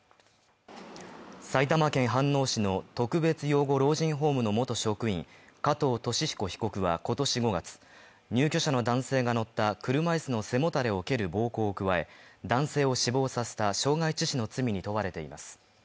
埼玉県飯能市の特別養護老人ホームの元職員加藤肇彦被告は今年５月、入居者の男性が乗った車いすの背もたれを蹴る暴行を加え、男性を死亡させた傷害致死の罪に問われています。